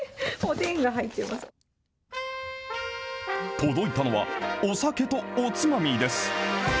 届いたのは、お酒とおつまみです。